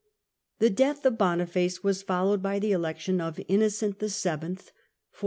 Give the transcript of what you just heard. The death of Boniface was followed by the election of Innocent VII.